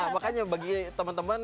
makanya bagi teman teman